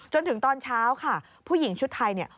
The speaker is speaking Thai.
จนถึงตอนเช้าค่ะผู้หญิงชุดไทยเนี่ย